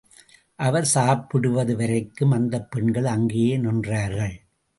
அவர் சாப்பிடுவது வரைக்கும் அந்தப் பெண்கள் அங்கேயே நின்றார்கள்.